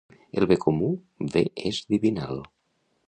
El bé comú, bé és divinal.